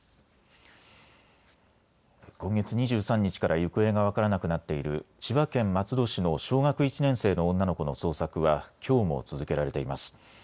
今月２３日から行方が分からなくなっている千葉県松戸市の小学１年生の女の子の捜索はきょうも続けられています。